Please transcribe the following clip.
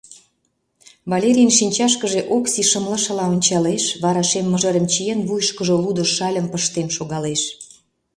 Валерийын шинчашкыже Окси шымлышыла ончалеш, вара шем мыжерым чиен, вуйышкыжо лудо шальым пыштен шогалеш.